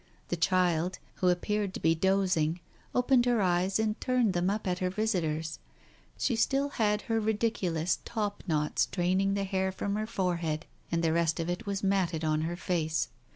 The child, who appeared to be dozing, opened her eyes and turned them up at her visitors. She still had her ridiculous top knot straining the hair from her fore head, and the rest of it was matted on her face.